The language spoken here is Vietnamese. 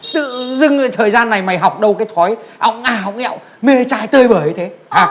tự dưng thời gian này mày học đâu cái thói áo ngà áo nghẹo mê trai tơi bởi thế